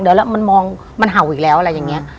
เดี๋ยวแล้วมันมองมันเห่าอีกแล้วอะไรอย่างนี้